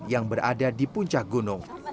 yang berada di puncak gunung